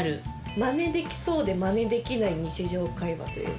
マネできそうでマネできない日常会話というか。